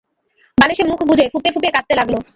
বালিশে মুখ গুঁজে ফুঁপিয়ে-ফুঁপিয়ে কাঁদতে লাগল।